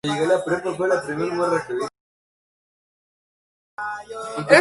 Se encuentra únicamente en las montañas del este de Uganda y centro de Kenia.